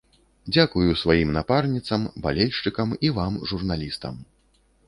Дзякую сваім напарніцам, балельшчыкам і вам, журналістам.